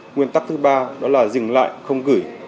nguyên tắc thứ ba đó là dừng lại không gửi